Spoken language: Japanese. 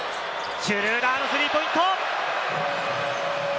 シュルーダーのスリーポイント！